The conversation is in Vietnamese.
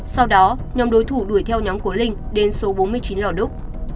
sau đó nhóm đối thủ đuổi theo nhóm của linh đến số bốn mươi chín lò đúc